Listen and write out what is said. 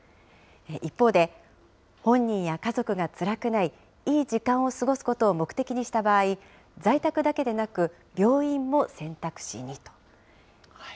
一方で、本人や家族がつらくない、いい時間を過ごすことを目的にした場合、在宅だけでなく、病院も選択肢にと。